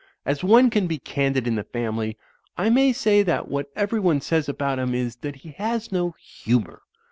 As one can be candid in the family, I may say that what every one says about him is that he has no humour.